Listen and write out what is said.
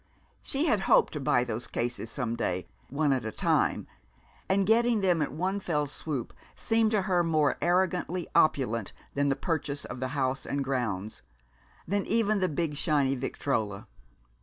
She had hoped to buy those cases some day, one at a time, and getting them at one fell swoop seemed to her more arrogantly opulent than the purchase of the house and grounds than even the big shiny victrola.